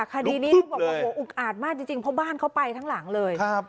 คดีนี้อุ๊กอาดมากจริงจริงเพราะบ้านเขาไปทั้งหลังเลยครับ